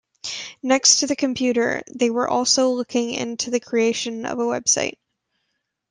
Next to the computer, they were also looking into the creation of a website.